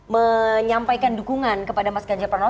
menyampaikan dukungan kepada mas ganja perno